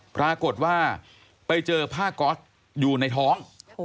ปรากฏว่าไปเจอผ้าก๊อตอยู่ในท้อง